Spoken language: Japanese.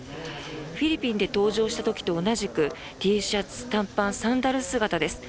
フィリピンで搭乗した時と同じくＴシャツ、短パンサンダル姿です。